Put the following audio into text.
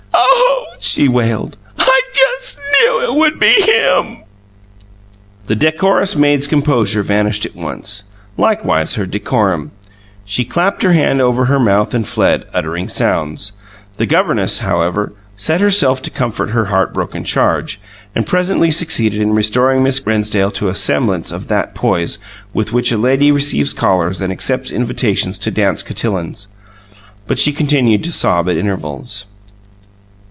"Oh!" she wailed. "I just knew it would be him!" The decorous maid's composure vanished at once likewise her decorum. She clapped her hand over her mouth and fled, uttering sounds. The governess, however, set herself to comfort her heartbroken charge, and presently succeeded in restoring Miss Rennsdale to a semblance of that poise with which a lady receives callers and accepts invitations to dance cotillons. But she continued to sob at intervals.